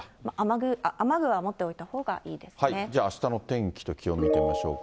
雨具は持っておいたほうがいあしたの天気と気温見てみましょうか。